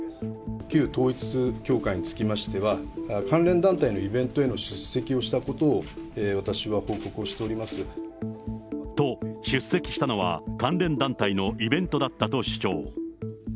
旧統一教会につきましては、関連団体のイベントへの出席をしたことを、私は報告をしておりまと、出席したのは関連団体のイベントだったと主張。